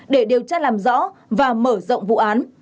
để điều tra làm rõ và mở rộng vụ án